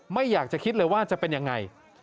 ไม่อยากจะคิดเลยว่าจะเป็นยังไง